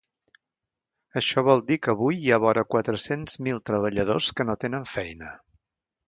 Això vol dir que avui hi ha vora quatre-cents mil treballadors que no tenen feina.